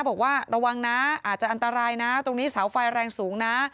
บอกว่าระวังนะอาจจะอันตรายนะตรงนี้เสาไฟแรงสูงนะ